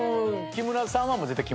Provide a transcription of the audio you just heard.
木村さん。